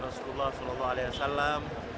dikunjungi oleh rasulullah saw